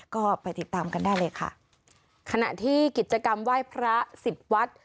ก็ไปติดตามกันได้เลยค่ะขณะที่กิจกรรมไหว้พระสิบวัด